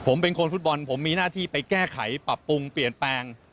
ผมเป็นคนฟุตบอลผมมีหน้าที่ไปแก้ไขปรับปรุงเปลี่ยนแปลง